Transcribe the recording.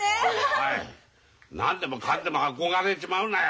おい何でもかんでも憧れちまうなよ。